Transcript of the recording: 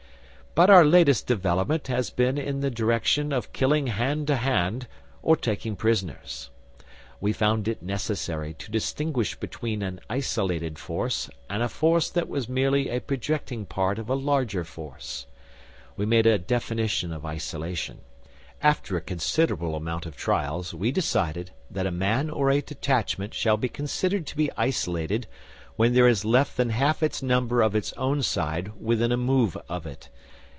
But our latest development has been in the direction of killing hand to hand or taking prisoners. We found it necessary to distinguish between an isolated force and a force that was merely a projecting part of a larger force. We made a definition of isolation. After a considerable amount of trials we decided that a man or a detachment shall be considered to be isolated when there is less than half its number of its own side within a move of it.